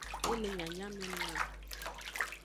E le nyanyamenung a.